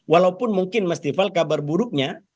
walaupun mungkin mas dival kabar buruknya